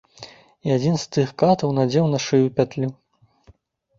І адзін з тых катаў надзеў на шыю пятлю.